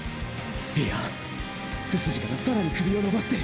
いや背筋から更に首を伸ばしてる！！